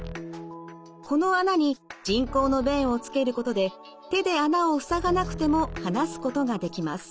この孔に人工の弁をつけることで手で孔を塞がなくても話すことができます。